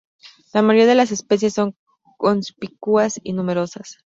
La mayoría de las especies son conspicuas y numerosas.